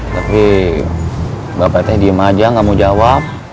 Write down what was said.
tapi bapak teh diem aja gak mau jawab